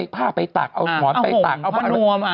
ผ้าไปตากเอาหมอนไปตากเอาผ้ามา